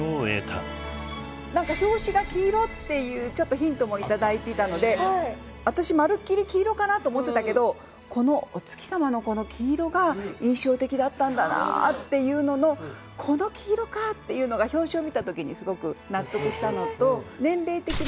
何か表紙が黄色っていうちょっとヒントも頂いていたので私まるっきり黄色かなと思ってたけどっていうののこの黄色かっていうのが表紙を見た時にすごく納得したのと年齢的なもの